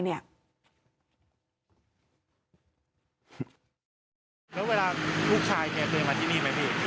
แล้วเวลาลูกชายแกเคยมาที่นี่ไหมพี่